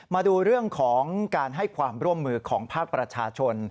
มาดูเรื่องของการให้ความร่วมมือของภาคประชาชน